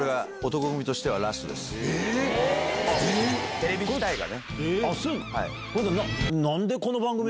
テレビ自体がね。